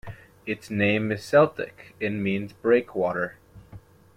Its name is Celtic and means breakwater.